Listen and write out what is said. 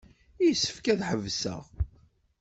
Yessefk ad tḥebseɣ.